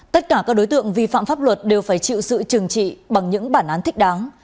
tất cả các đối tượng vi phạm pháp luật đều phải chịu sự trừng trị bằng những bản án thích đáng